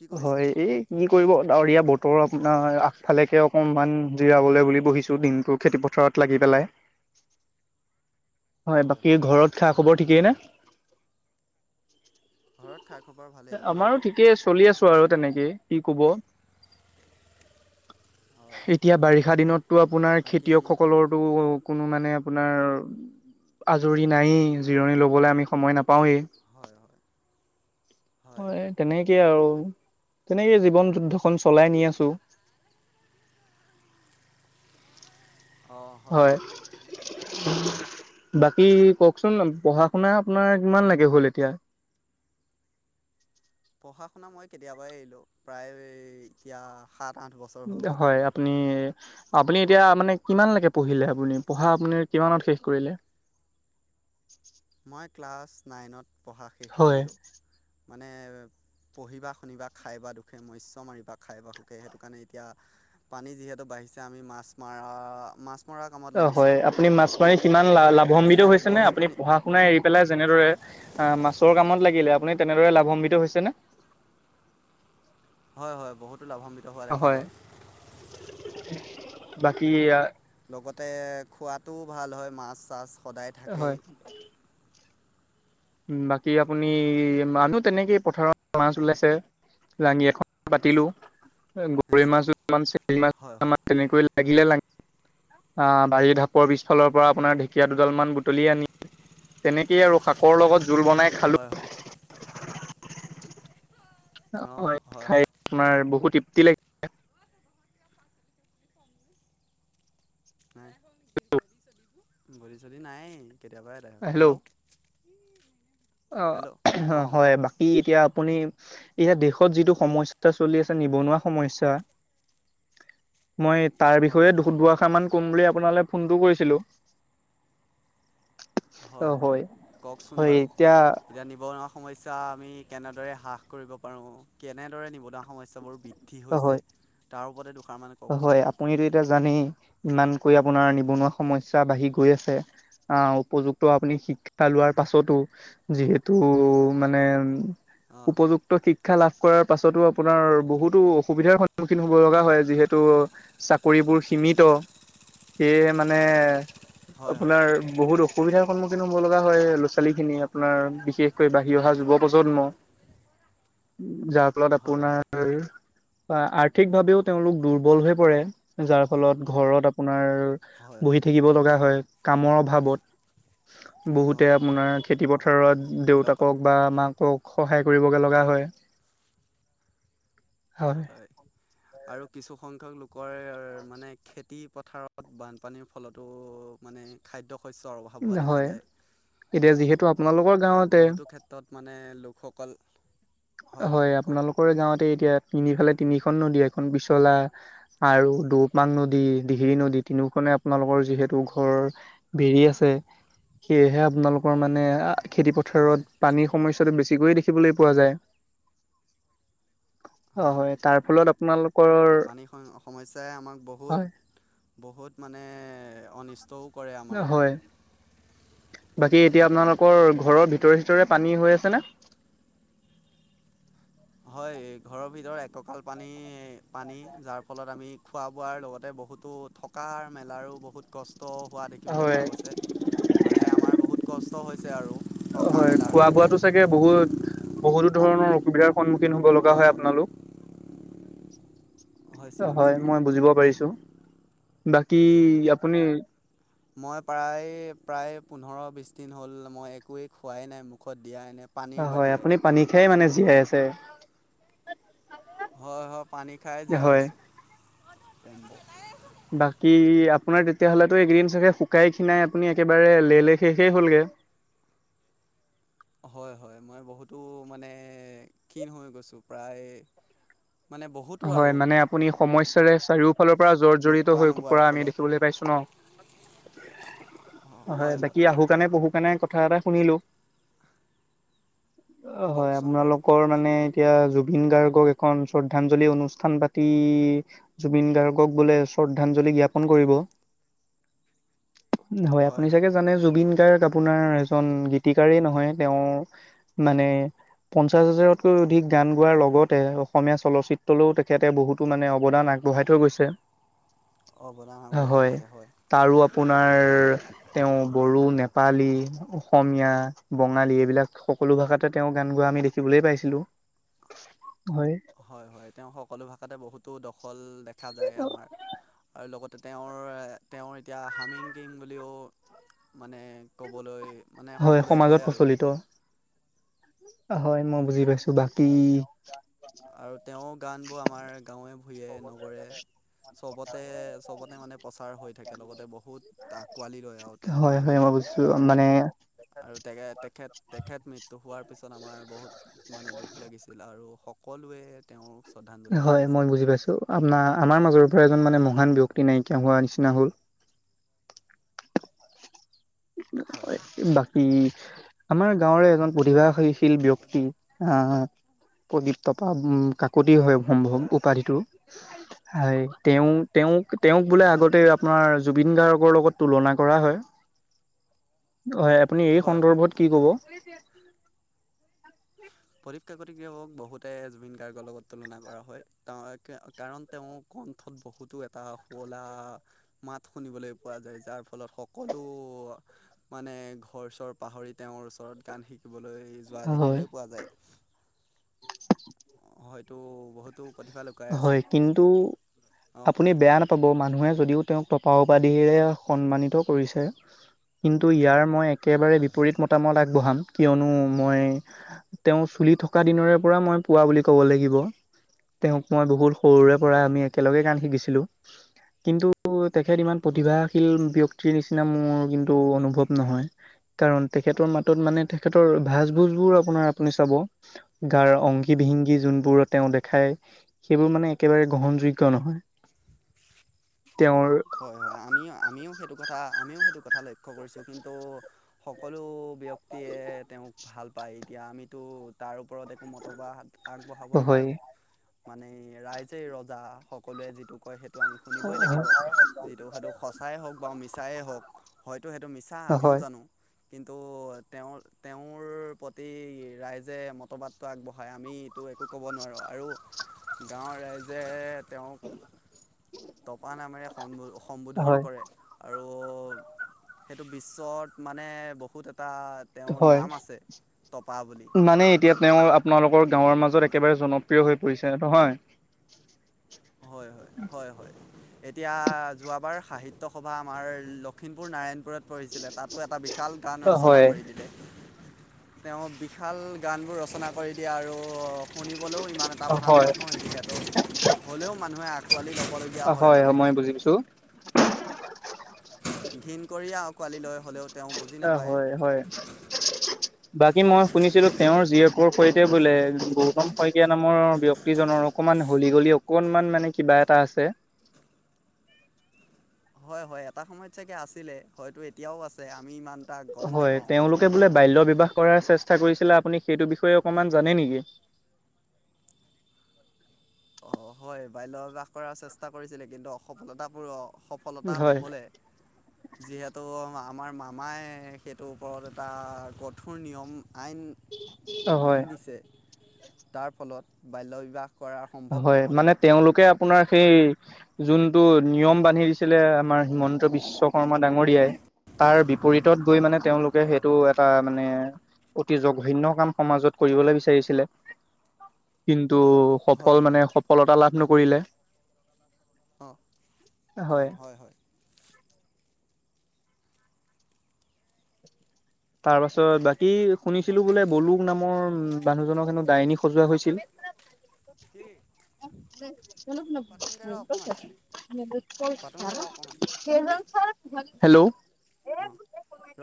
কি কৰিছে হয় এই কি কৰিব আৰু ই বতৰ আপোনাৰ আগফালেকে অকণমান জিৰাবলৈ বুলি বহিছোঁ দিনটো খেতি পথাৰত লাগিব। [unintelligible] [inaudible] হয় বাকী ঘৰত খা খবৰ ঠিকেই নে? ঘৰত খা খবৰ ভালেই আমাৰো আপোনালোকৰ ঠিকেই চলি আছো আৰু তেনেকে কি কব। হয় হয় এতিয়া বাৰিষা দিনতটো আপোনাৰ বাকী খেতিয়ক সকলৰ টো। কোনো মানে আপোনাৰ আজৰি নায়েই জিৰণি ল'বলৈ আমি সময় নাপাওঁৱেই। হয় হয়। হয় তেনেকে তেনেকে আৰু তেনেকে জীৱন যুদ্ধখন চলাই নি আছো। [inaudible] অঁ হয় হয়। বাকী কওকচোন পঢ়া শুনা আপোনাৰ কিমান লোকে হ'ল এতিয়া? পঢ়া শুনা মই কেতিয়াবাই এৰিলো প্ৰায় এতিয়া সাত আঠ বছৰ হৈ গ'ল হয় আপনি আপুনি এতিয়া মানে কিমানলৈকে পঢ়িলে আপুনি পঢ়া আপুনি কিমানত শেষ কৰিলে? [inaudible] মই ক্লাছ নাইনত পঢ়া শেষ হয়। কৰিলোঁ মানে পঢ়িবা শুনিবা খাই বা দুখে মস্য মাৰিবা খাই বা সুখে সেইটো কাৰণে এতিয়া পানী যিহেতু ব [unintelligible] মাছ মৰা। কামত অ হয় লাগিছোঁ আপুনি মাছ মাৰি কিমান লা লাভান্বিত যিহেতু হৈছে নে পঢ়ি আপুনি শুনি পঢ়া আপোনাৰ এৰি পেলাই যেনেদৰে মাছৰ কামত লাগিলে আপুনি তেনেদৰে লাভান্বিত হৈছে নে। [inaudible] হয় হয় বহুতো লাভান্বিত হোৱা দেখা হয়। যায়। বাকী লগতে খোৱাটোও ভাল হয় মাছ চাছ সদায় থাকেই। উ বাকী আপুনি মানুহ তেনেকে পথাৰত মাছ ওলাইছে লাঙি এখন। পাতিলো গৰৈ মাছ চে মাছ হয় হয় তেনেকৈ লাগিলে লাগে। আহ বাৰীৰ ঢাপৰ পিছফালৰ পৰা আপোনাৰ ঢেকীয়া দুডাল মান বুটলি আনি তেনেকে। কৰ লগত জোল বনাই খালোঁ। হয় হয় অঁ অ হয় খাই হয় আমাৰ বহুত তৃপ্তি লাগিছে। নাই বলি চলি নাই কেতিয়াবা হেল্ল'। অ হেল্ল' অ অঁ হয় কওক বাকী এতিয়া আপুনি। এয়া দেশত যিটো সমস্যাটো চলি আছে নিবনুৱা সমস্যা। মই তাৰ হয় বিষয়ে হয় দুআষাৰ মান। কম বুলি আপোনালৈ ফোনটো কৰিছিলো। অ হয় হয়। এতিয়া এতিয়া নিব নোৱাৰা। সমস্যা আমি কেনেদৰে হ্ৰাস কৰিব পাৰোঁ কেনেদৰে নিবনুৱা সমস্যাবোৰ ব। অ কওকচোন হয় আপুনিতটো এতিয়া জানেই ইমান। কৰি আপোনাৰ নিবনুৱা সমস্যা বাঢ়ি গৈ আছে আহ উপযুক্ত আপুনি শিক্ষা লোৱাৰ পাছতো যিহেতু মানে উ অঁ উপযুক্ত শিক্ষা লাভ কৰাৰ পাছতো আপোনাৰ বহুত বো অসুবিধাৰ সন্মুখীন হ'ব লগা হয় যিহেতু চাকৰিবোৰ সীমিত সেয়ে মানে হয় হয় আপোনাৰ বহুত অসুবিধা সন্মুখীন হব লগা হয় ল'ৰা ছোৱালী খিনি আপোনাৰ বিশেষকৈ বাঢ়ি অহা যুৱ প্ৰজন্ম যাৰ ফলত হয় হয় আপোনাৰ বা আৰ্থিক ভাৱেও তেওঁলোক দুৰ্বল হৈ পৰে যাৰ ফলত ঘৰত আপোনাৰ হয় বহি থাকিব লগা হয়। কামৰ অভাৱত বহুতে হয় আপোনাৰ খেতি হয় পথাৰত লগত দেউতাকক বা মাকক সহায় কৰিবগে লগা হয় হয় আৰু কিছু সংংখ্যক লোকৰ মানে খেতি পথাৰত বানপানীৰ ফলতো মানে খাদ্য শস্যৰ অভাৱ হোৱা দেখা হয় যায়। এতিয়া যিহেতু আপোনালোকৰ গাঁৱতে বহুতো ক্ষেত্ৰত মানে লোকসকল হয় আপোনালোকৰ গাঁৱতে এতিয়া তিনিফালে তিনিখন নদী এখন পিছলা আৰু দৌপাং নদী দিহিং নদী তিনিখন আপোনালোকৰ যিহেতু ঘৰ বিৰি আছে সেহে আপোনালোকৰ মানে খেতি হয় পথাৰত পানীৰ সমস্যাটো বেছিকৈয়ে দেখিবলৈ পোৱা যায়। অ হয় তাৰ ফলত আপোনালোক পানীৰ সমস্যাই আমাক হয় বহুত বহুত মানে অনিষ্টও কৰে আমাৰ হয় বাকী এতিয়া আপোনালোকৰ ঘৰৰ ভিতৰে ভিতৰে পানী হৈ আছেনে [inaudible] হয় ঘৰৰ ভিতৰত এক কঁকাল পানী পানী যাৰ ফলত আমি খোৱা বোৱাৰ লগতে বহুতো থকাৰ মেলাৰো বহুত কষ্ট কষ্ট হোৱা দেখিবলৈ হয়। পোৱা গৈছে মানে আমাৰ বহুত কষ্ট হৈছে আৰু থকা হয় মেলাৰ খোৱা বোৱাতো চাগে বহুত বহুতো আ- ধৰণৰ অসুবিধাৰ সন্মুখীন হব লগা হয় আপোনালোক হৈছে হয় হৈছে অ মই বুজিব পাৰিছো বাকী আপুনি মই প্ৰায় প্ৰায় পোন্ধৰ বিশ দিন হ'ল মই একোৱেই খোৱাই নাই মুখত দিয়া এনে পানীৰ হয় বাহিৰে আপুনি পানী খাই মানে জীয়াই আছে হয় হয় পানী খাই জীয়াই হয়। আছো, বাকী আপোনাৰ তেতিয়া হলেতো এইকেইদিন দিন চাগে শুকাই খিনাই আপুনি একেবাৰে লেলে শেষে হ'লগে। [inaudible] হয় হয় মই বহুতো মানে ক্ষীণ হৈ গৈছোঁ প্ৰায়। মানে বহুতো হয় আৰু মানে আপুনি সমস্যা চাৰিওপ ফালৰ পৰা জৰ জৰিত নোখোৱা হৈ নোবোৱাৰ পৰা আমি ফলত দেখিবলৈ পাইছো ন। হয় বাকী আহো কাণে পহু মানে কথা এটা শুনিলো হয়, কওকচোন বাৰু আপোনালোকৰ মানে। এতিয়া জুবিন গাৰ্গক এখন শ্ৰ শ্ৰদ্ধাঞ্জলি অনুষ্ঠান পাতি জুবিন গাৰ্গক বোলে শ্ৰদ্ধাঞ্জলি জ্ঞাপন কৰিব। [inaudible] হয় আপুনি চাগে জানে জুবিন গাৰ্গক আপোনাৰ এজন গীতিকাৰেই নহয় তেওঁৰ মানে পঞ্চাশ হাজাৰতকৈ অধিক গান গোৱাৰ লগতে অসমীয়া চলচ চিত্ৰলৈও তেখেতে বহুতো মানে অৱদান আগবঢ়াই থৈ গৈছে। অবদান আগবঢ়াইছে হয় তাৰো আপোনাৰ তেওঁ বড়ো, নেপালী, অসমীয়া, বঙালী এইবিলাক সকল সকলো ভাষাতে তেওঁ গান গোৱা আমি দেখিবলৈ পাইছিলো। [inaudible] হয়। হয় হয় তেওঁ সকলো ভাষাতে বহুতো দখল দেখা যায় আমাৰ আৰু লগতে তেওঁৰ তেওঁৰ এতিয়া হামিং কিং বুলিও মানে ক'বলৈ মানে হয় সকলোৱে সমাজত কয় আৰু প্ৰচলিত হয়, মই বুজি পাইছো বা উম আৰু তেওঁৰ গান বোৰ আমাৰ গাঁৱে ভূঞে নগৰে [unintelligible] চবতে চবতে মানে প্ৰচাৰ হৈ থাকে। লগতে বহুত আঁকোৱালি লয় আৰু তেওঁৰ হয় গান হয় মই বুজিছোঁ বিলাকত। মানে আৰু তে তেখেত তেখেত মৃত্যু হোৱাৰ পিছত আমাৰ বহুত মানে দুখ লাগিছিল আৰু সকলোৱে তেওঁৰ হয় মই বুজি পাইছো আপোনাৰ আমাৰ মাজৰ পৰা এজন মানে মহ মহান ব্যক্তি নাইকিয়া হোৱা নিচিনা হ'ল। হয় হয় বাকী আমাৰ গাঁৱৰে এজন প্ৰতিভাশী ল ব্যক্তি আ প্ৰদীপ টপা কাকতি হয় সম্ভৱ উপাধিটো। হয় তেওঁ তেওঁ তেওঁক বোলে হয় আগতে আপোনাৰ জুবিন গাৰ্গৰ লগত তুলনা কৰা হয়। হয় আপুনি এই হয় হয় সন্দৰ্ভত কি ক'ব? প্ৰদীপ কাকতিক বহুতে জুবিন গাৰ্গৰ লগত তুলনা কৰা হয়। তেওঁ কাৰণ তেওঁ কন্ঠত বহুতো এটা শুৱলা মাত শুনিবলৈ পোৱা যায়। যাৰ ফলত সকলো মানে ঘৰ চৰ পাহৰি তেওঁৰ ওচৰত গান শিকিবলৈ যোৱা হয়। দেখিবলৈ পোৱা যায়। হয়টো বহুত হয় কিন্তু অঁ আপুনি বেয়া নাপাব মানুহে যদিও তেওঁক টপা উপাধিৰে সন্মানিত কৰিছে, কিন্তু ইয়াৰ মই একেবাৰে হয় হয় বিপৰীত মতামত আগবঢ়াম। কিয়নো মই তেওঁ চুলি থকা দিনৰে পৰা মই পোৱা বুলি ক'ব লাগিব। [inaudible] তেওঁক মই বহুত সৰুৰে পৰা হয় আমি হয় একেলগে গান শিকিছিলো। কিন্তু তেখেত ইমান হয় প্ৰতিভাশীল ব্যক্তি ৰ নিচিনা মোৰ কিন্তু অনুভৱ নহয় কাৰন, তেখেতৰ মাতত মানে তেখেতৰ ভাঁজ ভোজ বোৰ আপোনাৰ আপুনি চাব গাৰ অংগী ভংগী যোনবোৰ তেওঁ হয় দেখাই, সেইবোৰ মানে একেবাৰে গ্ৰহণযোগ্য নহয়। তেওঁৰ হয় হয়। আমিও আমিও সেইটো কথা আমিও সেইটো কথা লক্ষ্য কৰিছোঁ কিন্তু সকলো ব্যক্তিয়ে তেওঁক ভাল পায় এতিয়া আমিতো তাৰ ওপৰত একো মতবাহ আগবঢ়াব হয় নোৱাৰো। মানে ৰাইজে ৰজা, সকলোৱে যিটো কয় সেইটো আমি শুনিবই লাগিব। যিটো সেইটো সঁচাই হওঁক বা, মিছাই হওঁক হয়তো সেইটো মিছা আমিও হয় জানো। কিন্তু তেওঁ তেওঁৰ প্ৰতি ৰাইজে মতবাদটো আগবঢ়াই আমি এইটো একো ক'ব নোৱাৰোঁ আৰু গাঁৱৰ ৰাইজে তেওঁক টপা নামেৰে সম্বোধন হয় কৰে। আৰু সেইটো বিশ্বত মানে বহুত এটা তেওঁৰ হয় নাম আছে টপা বুলি মানে এতিয়া তেওঁ আপোনালোকৰ গাঁৱৰ মাজত একেবাৰে জনপ্ৰিয় হৈ পৰিছে নহয়? হয় হয় হয় হয়। এতিয়া যোৱাবাৰ সাহিত ত্য সভা আমাৰ লখিমপুৰ নাৰায়ণ পুৰত পৰিছিলে, তাতো এটা বিশাল গান ৰচনা হয় কৰি দিলে। তেওঁ বিশাল গান বোৰ ৰচনা কৰি দিয়ে আৰু শুনি 'লেও ইমান এটা ভাল হয় নহয় তেতিয়াতো। হ'লেও মানুহে আঁকোৱালি গাবলগীয়া হয় মানে। মই বুজি পাইছো ঘিন কৰিয়ে আঁকোৱালি লয় হ'লেও। তেওঁ বুজি অ নাপায় হয় হয়, বাকী মই শুনিছিলো তেওঁৰ জীয়েক। সৈতে বোলে গৌতম শইকীয়া নামৰ ব্যক্তিজনৰ অকমান হলি গলি অকনমান মানে কিবা। এটা আছে। [unintelligible] হয় হয়, এটা সময়ত চাগে আছিলে হয়তো এতিয়াও আছে আমি ইমান। এটা গম হয়, নাপাওঁ তেওঁলোকে সঠিককে বোলে বাল্য বিবাহ কৰাৰ চেষ্টা কৰিছিলে আপুনি। সেইটো বিষয়ে অকমান জানে নেকি? অ, হয় বাল্যবাস কৰাৰ চেষ্টা কৰিছিলে কিন্তু অসফলতা পোৰ। সফলতা হয় নহলে যিহেতু আমাৰ। মামাই সেইটোৰ ওপৰত এটা কঠোৰ নিয়ম। আইন হয় বান্ধি দিছে। তাৰ ফলত বাল্য বিবাহ কৰা। হয় মানে তেওঁলোকে। আপোনাৰ সেই, যোনটো নিয়ম বান্ধি দিছিলে আমাৰ হিমন্ত বিশ্ব শৰ্মা ডাঙৰীয়াই। তাৰ বিপৰীতত গৈ মানে তেওঁলোকে হয় সেইটো হয় এটা মানে। অতি জঘন্য কাম সমাজত কৰিবলৈ বিচাৰিছিলে কিন্তু। সফল হয় মানে হয় সফলতা লাভ নকৰিলে। অঁ হয়। অঁ হয় তাৰ পাছত বাকী শুনিছিলো বোলে বলু নামৰ মানুহজনক হেনো ডাইনী সজোৱা হৈছিল। কি। [unintelligible] অঁ পাতোংগৈ ৰ অকণমান পাতোংগৈ ৰ অকণমান হেল্ল'।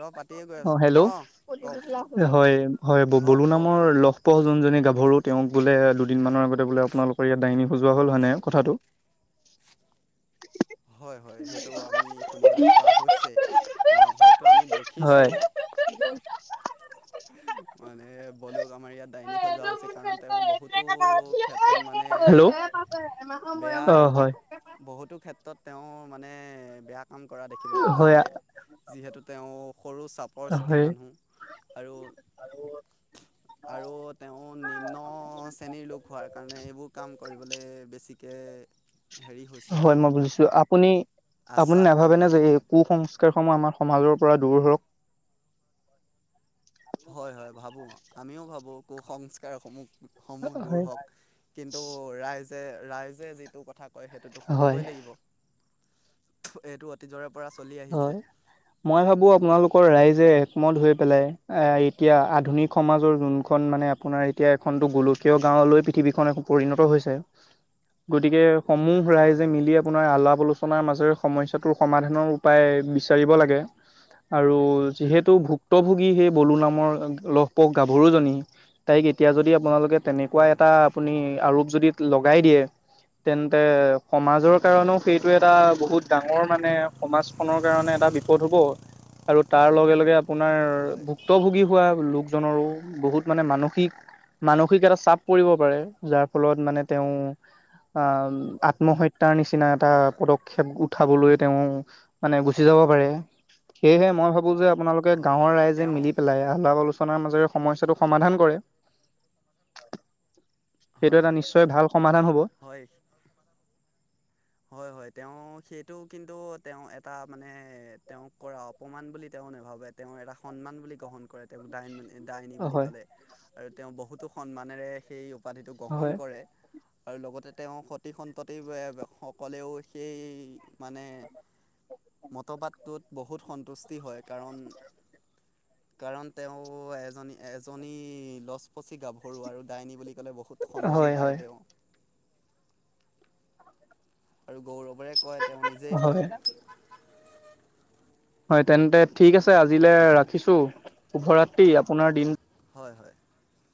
ৰ পতি। অ' হেল্ল' হয় হয় অঁ বলু কওক নামৰ কওক লক্ষ প যোনজনী গাভৰুত। তেওঁক বোলে দুদিনমানৰ আগতে বোলে আপোনালোকৰ ইয়াত ডাইনী সজোৱা হ'ল হয়েনে কথাটো। [unintelligible] হয় হয়, সেইটো আমি শুনিবলৈ পোৱা হৈছে হয়তো আমি দেখিছোঁ। [unintelligible] মানে বলুক আমাৰ ইয়াত ডাইনী সজোৱা হৈছে, কাৰণ তেওঁ বহুতো ক্ষেত্ৰত মানে। হেল্ল' বেয়া অ আৰু হয়। বহুতো ক্ষেত্ৰত তেওঁ মানে বেয়া কাম কৰা দেখিবলৈ পোৱা হয় যায়, যিহেতু তেওঁ। সৰু চাপৰ চুটি হয় মানুহ আৰু। আৰু তেওঁ নিম্ন শ্ৰেণীৰ লোক হোৱাৰ কাৰণে এইবোৰ কাম কৰিবলৈ বেছি। একৈ হেৰি হৈছে হয় আৰু। মই বুজিছো আপুনি আপুনি আশ্বাস কৰে নাভাবেনে যে এই কু সংস্কাৰ সমূহ আমাৰ সমাজৰ পৰা দূৰ হ‌ওক হয় হয় ভাবো আমিও ভাবো কুসংস্কাৰসমূহ সমূহ দূৰ হয় হওক কিন্তু ৰাইজ যে ৰাইজে যিটো কথা কয় সেইটোতো হয় শুনিবই লাগিব এইটো অতীজৰে পৰা চলি আহিছে হয় মই ভাবো আপোনালোকৰ ৰাইজে একমত হৈ পেলাই এতিয়া আধুনিক সমাজৰ যোনখন মানে আপোনাৰ এতিয়া এখনতো গোলকীয় গাওঁ লৈ পৃথিৱীখনো পৰিণত হৈছে গতিকে সমূহ হয় ৰাইজে হয় মিলি আপোনাৰ আলাপ আলোচনাৰ মাজেৰে সমস্যাটোৰ সমাধানৰ পাই বিচাৰিব লাগে আৰু যিহেতু ভুক্তভোগী সেই বলু নামৰ লহপক গাভৰু জনী তাইক কেতিয়া যদি আপোনালোকে তেনেকুৱা হয় এটা আপুনি আৰোপ যদি লগাই দিয়ে তেন্তে সমাজৰ হয় কাৰণেও সেইটো এটা বহুত ডাঙৰ মানে সমাজ খনৰ কাৰণে এটা বিপদ হ'ব আৰু তাৰ লগে লগে আপোনাৰ হয় ভুক্তভোগী হোৱা লোক জনৰো বহুত মানে মানসিক মানসিক এটা চাপ পৰিব পাৰে যাৰ ফলত মানে তেওঁ আহ আত্মহত্যা তাৰ নিচিনা এটা হয় হয় হয় পদক্ষেপ উঠাবলৈ তেওঁ মানে গুচি যাব পাৰে সেয়েহে মই ভাবো যে আপোনালোকে হয় গাঁৱৰ হয় ৰাইজে তেওঁ মিলি পেলাই আলাপ আলোচনা মাজেৰে সমস্যাটো সমাধান কৰে। সেইটো হয় এটা হয় নিশ্চয় ভাল সমাধান হ'ব। হয় হয় হয় তেওঁ সেইটো কিন্তু তেওঁ এটা মানে তেওঁক কৰা অপমান বুলি তেওঁ তেওঁ নাভাবে তেওঁ এটা সন্মান বুলি গ্ৰহণ কৰে। ডন ডাইন বুলি হয় কলে আৰু তেওঁ বহুতো সন্মানেৰে সেই উপাধিটো গ্ৰহণ হয় কৰে আৰু লগতে তেওঁ সতি সন্ততি বোৰে ক'লেও সেই মানে মতবাদটোত বহুত সন্তুষ্টি হয় কাৰণ কাৰণ তেওঁ এজনী এজনী লচপচি গাভৰু আৰু ডাইনী বুলি বহুত সন্মান হয় পায় হয় তেওঁ আৰু গৌৰৱেৰে কয় তেওঁ নিজেই কয় হয়। হয় তেন্তে ঠিক আছে আজিলৈ ৰাখিছো শুভ ৰাত্ৰি আপোনাৰ দিন হয় হয়।